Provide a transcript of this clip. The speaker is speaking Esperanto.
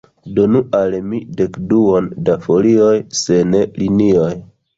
Donu al mi dekduon da folioj sen linioj.